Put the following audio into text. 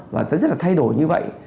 và rất là thay đổi như vậy